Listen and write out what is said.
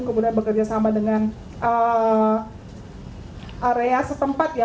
kemudian bekerja sama dengan area setempat ya